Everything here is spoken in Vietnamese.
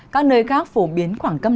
các nơi khác phổ biến khoảng cấp năm